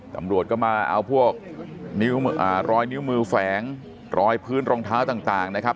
ตำรวจก็มาเอาพวกรอยนิ้วมือแฝงรอยพื้นรองเท้าต่างนะครับ